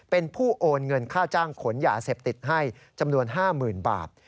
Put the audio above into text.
เป็นผู้โอนเงินค่าจ้างขนยาเสพติดให้จำนวน๕๐๐๐บาท